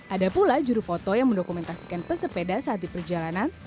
ada pula juru foto yang mendokumentasikan pesepeda saat di perjalanan